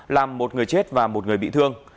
làm một người chết và một người bị thương